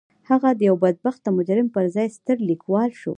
هغه د يوه بدبخته مجرم پر ځای ستر ليکوال شو.